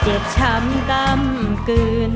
เจ็บชำกัมกื่น